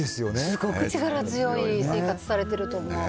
すごく力強い生活されてると思う。